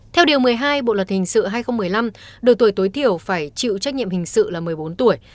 theo điều một mươi hai bộ luật hình sự hai nghìn một mươi năm độ tuổi tối thiểu phải chịu trách nhiệm hình sự là một mươi bốn tuổi